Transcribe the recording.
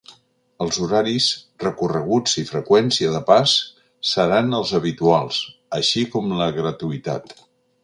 Els horaris, recorreguts i freqüència de pas seran els habituals, així com la gratuïtat.